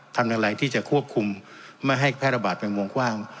ทำอะไรที่จะควบคุมไม่ให้แพร่ระบาดเป็นวงกว้าง